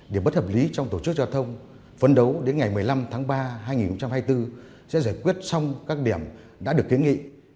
điểm bất hợp lý trong tổ chức giao thông phấn đấu đến ngày một mươi năm tháng ba hai nghìn hai mươi bốn sẽ giải quyết xong các điểm đã được kiến nghị